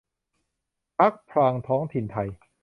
พรรคพลังท้องถิ่นไท